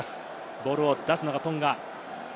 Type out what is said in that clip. ボールを出すのがトンガ。